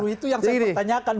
itu yang saya bertanyakan